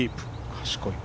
賢い。